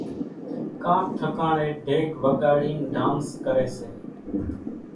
ڪانڪ ٺڪاڻين ڍيڪ وڳاڙينَ ڍانس ڪريَ سي۔